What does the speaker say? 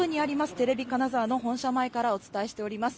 テレビ金沢本社前からお伝えしております。